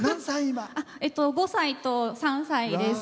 ５歳と３歳です。